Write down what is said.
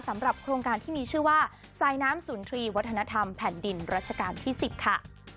สำหรับโครงการที่มีชื่อว่าสายน้ำศูนย์ทรีย์วัฒนธรรมแผ่นดินรัชกาลที่๑๐ค่ะ